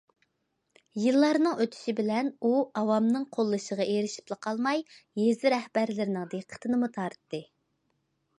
يىللارنىڭ ئۆتۈشى بىلەن ئۇ ئاۋامنىڭ قوللىشىغا ئېرىشىپلا قالماي، يېزا رەھبەرلىرىنىڭ دىققىتىنىمۇ تارتتى.